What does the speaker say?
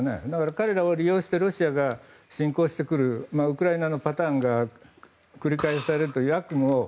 彼らを利用してロシアが侵攻してくるウクライナのパターンが繰り返されると、核も。